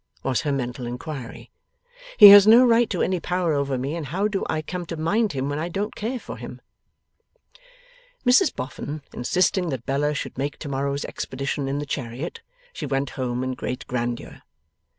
was her mental inquiry: 'He has no right to any power over me, and how do I come to mind him when I don't care for him?' Mrs Boffin, insisting that Bella should make tomorrow's expedition in the chariot, she went home in great grandeur.